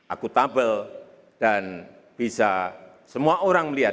akutabel dan bisa semua orang melihat